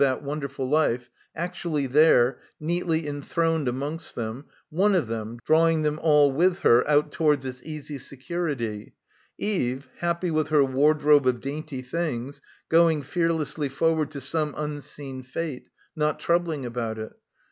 that wonderful life, actually there, neatly enthroned amongst them, one of them, drawing them all with her out towards its easy security; Eve, happy with her wardrobe of dainty things, going fearlessly forward to some unseen fate, not troubling about it.